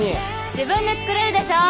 自分で作れるでしょ！